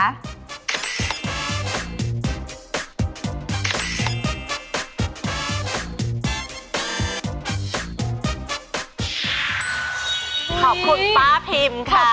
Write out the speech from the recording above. ขอบคุณป้าพิมค่ะ